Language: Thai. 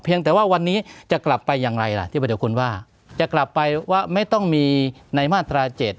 เพียงแต่ว่าวันนี้จะกลับไปอย่างไรล่ะที่พระเจ้าคุณว่าจะกลับไปว่าไม่ต้องมีในมาตราเจ็ด